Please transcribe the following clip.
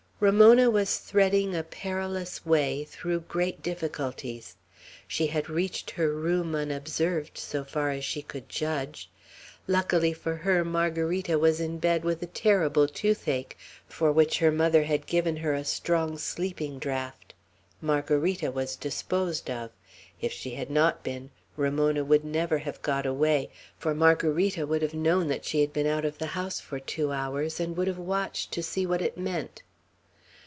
Ramona was threading a perilous way, through great difficulties. She had reached her room unobserved, so far as she could judge. Luckily for her, Margarita was in bed with a terrible toothache, for which her mother had given her a strong sleeping draught. Margarita was disposed of. If she had not been, Ramona would never have got away, for Margarita would have known that she had been out of the house for two hours, and would have watched to see what it meant.